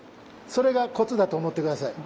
それがコツだと思って下さい。